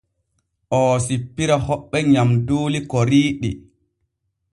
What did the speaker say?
Oo sippira hoɓɓe nyamduuli koriiɗi.